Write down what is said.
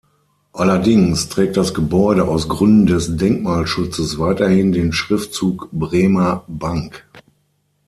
Allerdings trägt das Gebäude aus Gründen des Denkmalschutzes weiterhin den Schriftzug „Bremer Bank“.